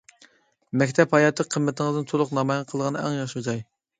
مەكتەپ ھاياتىي قىممىتىڭىزنى تولۇق نامايان قىلىدىغان ئەڭ ياخشى جاي.